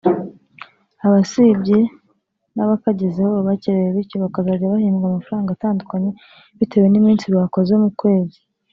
abasibye n’bakagezeho bakerewe bityo bakazajya bahembwa amafaranga atandukanye bitewe n’iminsi bakoze mu kwezi